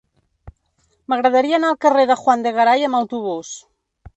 M'agradaria anar al carrer de Juan de Garay amb autobús.